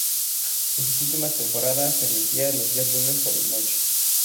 En sus últimas temporadas se emitía los días lunes por la noche.